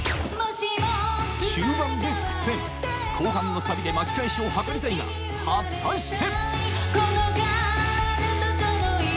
中盤で苦戦後半のサビで巻き返しを図りたいが果たして